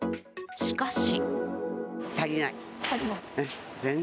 しかし。